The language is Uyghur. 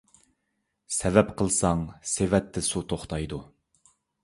سەۋەب قىلساڭ سېۋەتتە سۇ توختايدۇ.